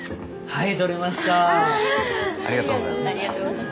はい。